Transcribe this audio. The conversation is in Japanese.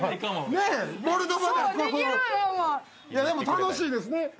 でも楽しいですね。